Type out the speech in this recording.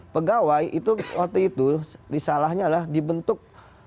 pegawai itu waktu itu disalahnya lah dibentuk